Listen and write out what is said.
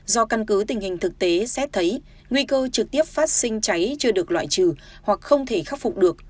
do căn cứ tình hình thực tế xét thấy nguy cơ trực tiếp phát sinh cháy chưa được loại trừ hoặc không thể khắc phục được